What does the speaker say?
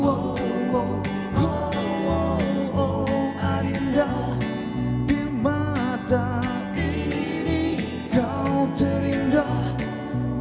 adinda di mata ini kau terindah